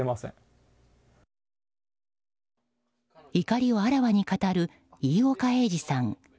怒りをあらわに語る飯岡英治さん。